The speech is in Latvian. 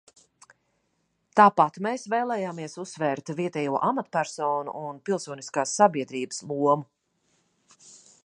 Tāpat mēs vēlējāmies uzsvērt vietējo amatpersonu un pilsoniskās sabiedrības lomu.